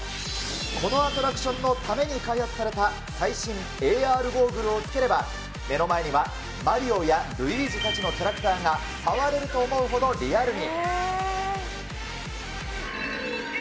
このアトラクションのために開発された、最新ＡＲゴーグルをつければ目の前にはマリオやルイージたちのキャラクターが、触れると思うほどリアルに。